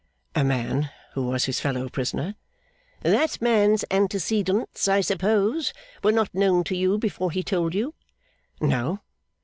'A man who was his fellow prisoner.' 'That man's antecedents, I suppose, were not known to you, before he told you?' 'No.